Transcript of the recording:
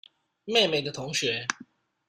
妹妹的同學